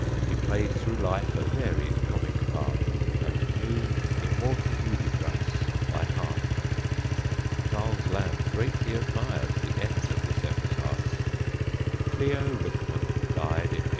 He played through life a varied comic part, And knew immortal Hudibras by heart. Charles Lamb greatly admired the end of this epitaph. Clio Rickman died in 1834.